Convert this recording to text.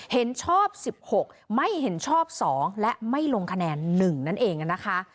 เห็นชอบ๑๖ไม่เห็นชอบ๒และไม่ลงคะแนน๑นั่นเองนะคะ